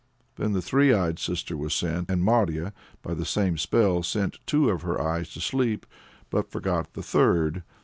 Then the three eyed sister was sent, and Marya by the same spell sent two of her eyes to sleep, but forgot the third.